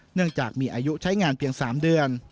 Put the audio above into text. เนื่องจากมีอายุใช้งานเพียง๓เดือน